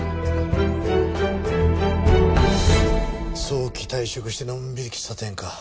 早期退職してのんびり喫茶店か。